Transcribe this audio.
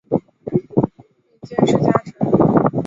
里见氏家臣。